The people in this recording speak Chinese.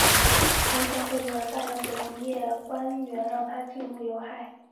孟山都贿赂了大量的农业部官员让它可以进口有害的基因改造食品及种子。